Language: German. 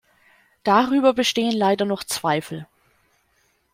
Darüber bestehen leider noch Zweifel!